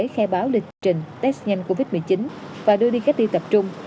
khai báo lịch trình test nhanh covid một mươi chín và đưa đi cách ly tập trung